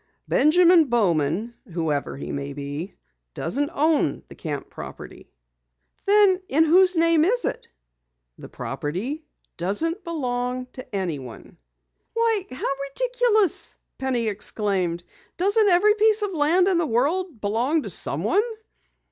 "Benjamin Bowman whoever he may be doesn't own the camp property." "Then in whose name is it?" "The property doesn't belong to anyone." "Why, how ridiculous!" Penny exclaimed. "Doesn't every piece of land in the world belong to someone?"